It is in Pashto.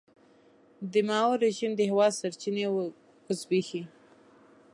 د ماوو رژیم د هېواد سرچینې وزبېښي.